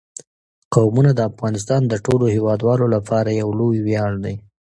قومونه د افغانستان د ټولو هیوادوالو لپاره یو لوی ویاړ دی.